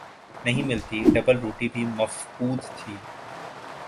نہیں ملتی، ڈبل روٹی بھی مفقود تھی۔